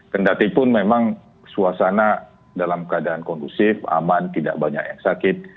kendatipun memang suasana dalam keadaan kondusif aman tidak banyak yang sakit